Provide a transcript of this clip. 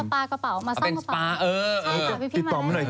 ไม่แน่แล้วหากเนิ่งมาของเหลือ่า